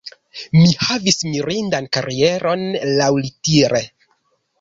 Mi havis mirindan karieron laŭlitere.